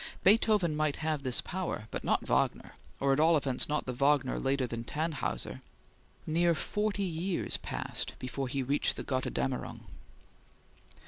Beethoven might have this power, but not Wagner, or at all events not the Wagner later than "Tannhauser." Near forty years passed before he reached the "Gotterdammerung."